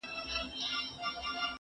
نه خبره یې پر باز باندي اثر کړي